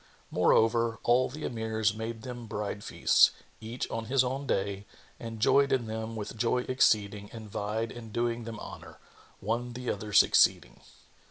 Moreover, all the Emirs made them bride feasts, each on his own day, and joyed in them with joy exceeding and vied in doing them honour, one the other succeeding.